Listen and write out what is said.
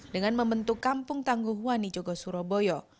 dengan membentuk kampung tangguh wani jogosuroboyo